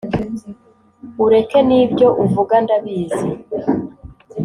ureke n’ibyo uvuga ndabizi